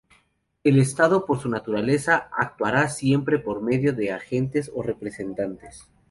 El Estado, por su naturaleza, actuará siempre por medio de sus agentes o representantes.